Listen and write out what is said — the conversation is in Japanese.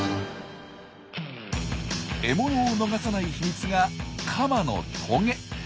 獲物を逃さない秘密がカマのトゲ。